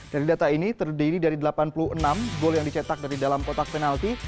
dari data ini terdiri dari delapan puluh enam gol yang dicetak dari dalam kotak penalti